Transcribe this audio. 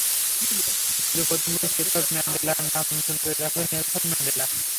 স্কুলে প্রথম দিনেই শিক্ষক ম্যান্ডেলার নাম নতুন করে রাখলেন নেলসন ম্যান্ডেলা।